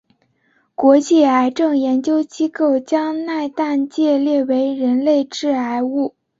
国际癌症研究机构将萘氮芥列为人类致癌物。